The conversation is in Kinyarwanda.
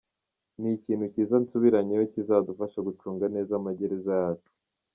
Ni ikintu cyiza nsubiranyeyo kizadufasha gucunga neza amagereza yacu.